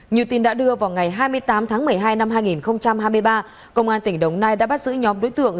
như tin đã đưa vào ngày hai mươi tám tháng một mươi hai năm hai nghìn hai mươi ba công an tỉnh đồng nai đã bắt giữ nhóm đối tượng